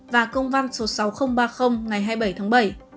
và công văn số sáu nghìn ba mươi ngày hai mươi bảy tháng bảy